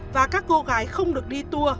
và các cô gái không được đi tour